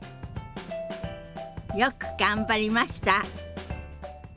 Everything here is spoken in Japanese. よく頑張りました。